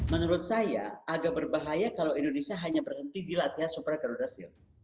menurut saya agak berbahaya kalau indonesia hanya berhenti di latihan supra karudasil